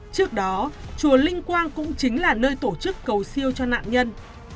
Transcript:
trước đó chùa linh quang cũng chính là nơi tổ chức cầu siêu cho nạn nhân